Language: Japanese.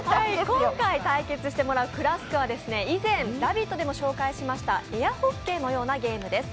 今回対決してもらうクラスクは以前「ラヴィット！」でも紹介しました、エアホッケーのようなゲームです。